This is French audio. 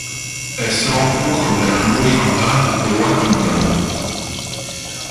Elle se rencontre vers Lochinvar et Oakhampton.